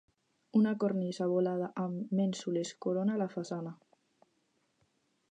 Una cornisa volada amb mènsules corona la façana.